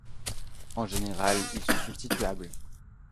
En général, ils sont substituables.